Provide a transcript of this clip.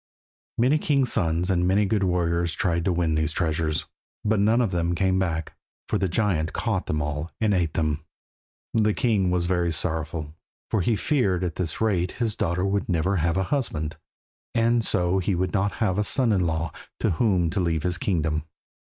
Many king's sons and many good warriors tried to win these treasures, but none of them came back, for the giant caught them all and eat them. The king was very sorrowful, for he feared that at this rate his daughter would never get a husband, and so he would not have a son in law to whom to leave his kingdom.